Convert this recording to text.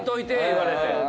言われて。